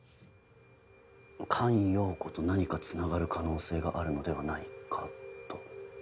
菅容子と何かつながる可能性があるのではないかと？